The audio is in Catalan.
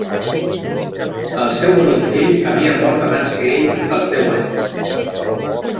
El seu únic fill havia mort abans que ell als deu anys.